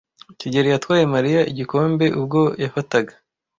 kigeli yatwaye Mariya igikombe ubwo yafataga.